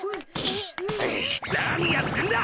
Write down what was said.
何やってんだ！